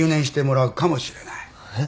えっ？